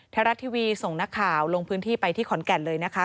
ไทยรัฐทีวีส่งนักข่าวลงพื้นที่ไปที่ขอนแก่นเลยนะคะ